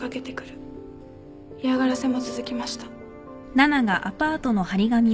嫌がらせも続きました。